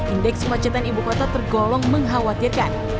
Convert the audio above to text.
indeks kemacetan ibu kota tergolong mengkhawatirkan